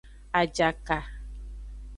Ajaka.